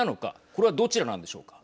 これは、どちらなんでしょうか。